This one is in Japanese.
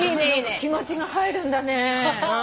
気持ちが入るんだね。